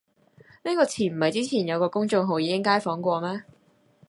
呢啲詞唔係之前有個公眾號已經街訪過咩